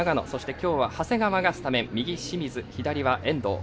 今日は長谷川がスタメン右が清水、左は遠藤。